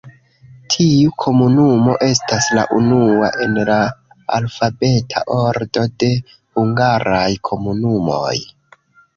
Tiu komunumo estas la unua en la alfabeta ordo de hungaraj komunumoj.